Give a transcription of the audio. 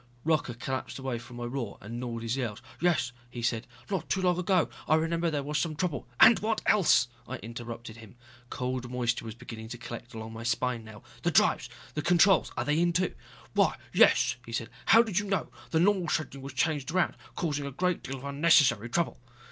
Rocca collapsed away from my roar and gnawed his nails. "Yes " he said, "not too long ago. I remember there was some trouble...." "And what else!" I interrupted him. Cold moisture was beginning to collect along my spine now. "The drives, controls are they in, too?" "Why, yes," he said. "How did you know? The normal scheduling was changed around, causing a great deal of unnecessary trouble."